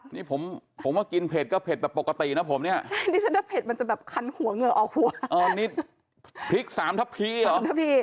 นี่ผมกินเผ็ดก็เผ็ดแบบปกตินะผมเนี่ยพริก๓ทับผีเหรอ